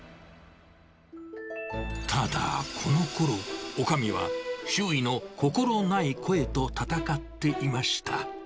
ただ、このころ、おかみは周囲の心ない声と戦っていました。